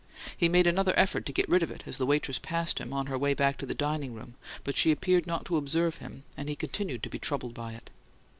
He made another effort to get rid of it as the waitress passed him, on her way back to the dining room, but she appeared not to observe him, and he continued to be troubled by it.